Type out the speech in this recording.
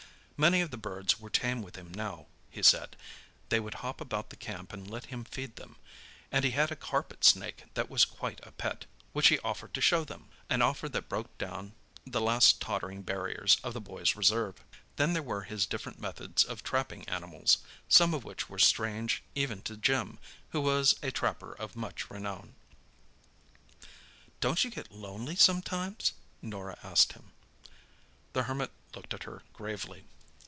Many of the birds were tame with him now, he said; they would hop about the camp and let him feed them; and he had a carpet snake that was quite a pet, which he offered to show them—an offer that broke down the last tottering barriers of the boys' reserve. Then there were his different methods of trapping animals, some of which were strange even to Jim, who was a trapper of much renown. "Don't you get lonely sometimes?" Norah asked him. The Hermit looked at her gravely.